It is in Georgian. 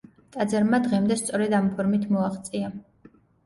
ტაძარმა დღემდე სწორედ ამ ფორმით მოაღწია.